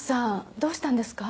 どうしたんですか？